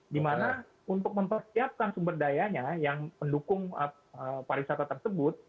dimana untuk mempersiapkan sumber dayanya yang mendukung pariwisata tersebut